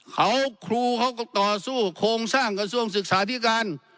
เขาครูเขาก็ต่อสู้โครงสร้างกระทรวงศึกษาธิการ